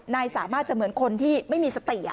นายสามารถจะเหมือนคนที่ไม่มีสติ